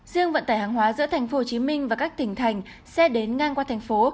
riêng vận tải hàng hóa giữa tp hcm và các tỉnh thành xe đến ngang qua thành phố